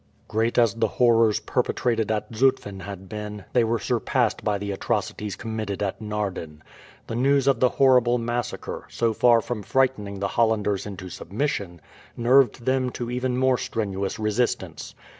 Great as the horrors perpetrated at Zutphen had been, they were surpassed by the atrocities committed at Naarden. The news of the horrible massacre, so far from frightening the Hollanders into submission, nerved them to even more strenuous resistance.